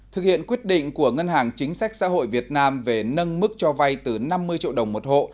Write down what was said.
thực hiện quyết định của ngân hàng chính sách xã hội việt nam về nâng mức cho vay từ năm mươi triệu đồng một hộ